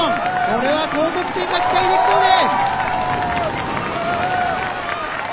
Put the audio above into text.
これは高得点が期待できそうです。